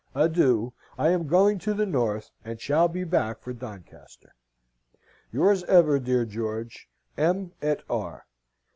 Adieu! I am going to the North, and shall be back for Doncaster. Yours ever, dear George, M. et R."